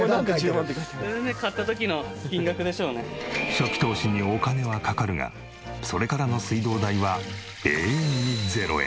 初期投資にお金はかかるがそれからの水道代は永遠に０円。